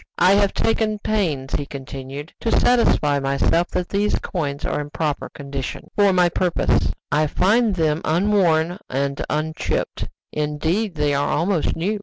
"I have taken pains," he continued, "to satisfy myself that these coins are in proper condition for my purpose. I find them unworn and unchipped; indeed, they are almost new.